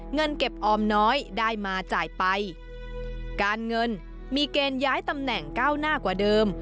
เงินเก็บออมน้อยได้มาจ่ายไปการเงินมีเกณฑ์ย้ายตำแหน่งก้าวหน้ากว่าเดิม